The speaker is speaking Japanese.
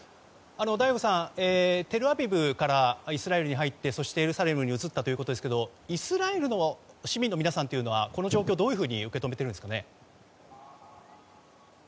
醍醐さん、テルアビブからイスラエルに入ってそして、エルサレムに移ったということですがイスラエルの市民の皆さんはこの状況をどういうふうに受け止めているんですかね。